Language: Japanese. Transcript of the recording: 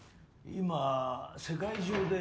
今世界中で。